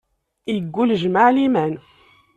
Yeggul, jmaɛ liman